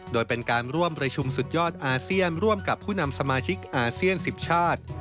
โดยเป็นการร่วมประชุมสุดยอดอาเซียนร่วมกับผู้นำสมาชิกอาเซียน๑๐ชาติ